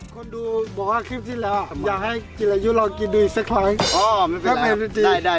คนดูบอกว่าคลิปที่แล้วอยากให้จิรายุลองกินดูอีกสักครั้ง